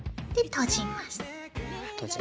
閉じます。